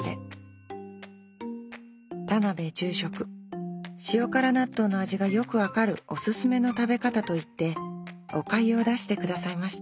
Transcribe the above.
田邊住職塩辛納豆の味がよく分かるおすすめの食べ方といっておかゆを出してくださいました